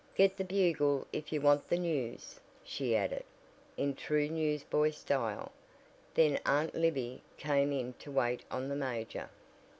'Get the Bugle if you want the news!'" she added, in true newsboy style. Then Aunt Libby came in to wait on the major.